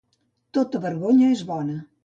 Tota vergonya és bona.